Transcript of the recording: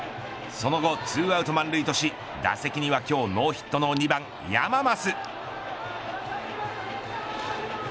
その後２アウト満塁とし打席には今日ノーヒットの２番山増。